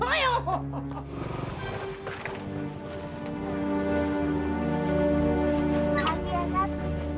makasih ya sat